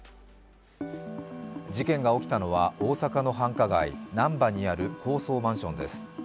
事件が起きたのは大阪の繁華街、なんばにある高層マンションです。